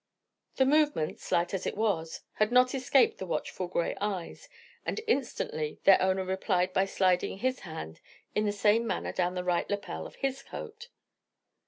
The movement, slight as it was, had not escaped the watchful grey eyes, and instantly their owner replied by sliding his left hand in the same manner down the right lappel of his coat.